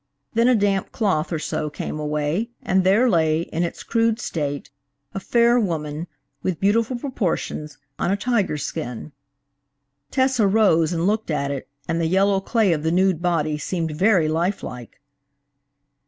Then a damp cloth or so came away, and there lay, in its crude state, a fair woman, with beautiful proportions, on a tiger skin. Tessa rose and looked at it, and the yellow clay of the nude body seemed very life like.